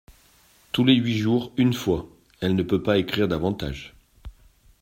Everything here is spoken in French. Tous les huit jours une fois ; elle ne peut pas écrire davantage.